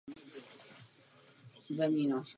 Není třeba.